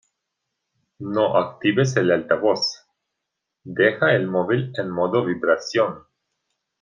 No actives el altavoz, deja el móvil en modo vibración.